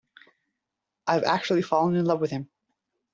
I've actually fallen in love with him.